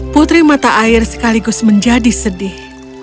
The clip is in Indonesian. putri mata air sekaligus menjadi sedih